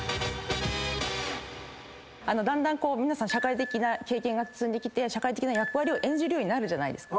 だんだん皆さん社会的な経験を積んできて社会的な役割を演じるようになるじゃないですか。